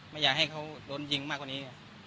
ไม่อยากให้เขาโดนยิงมากกว่านี้